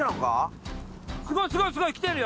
すごいすごいすごいきてるよ。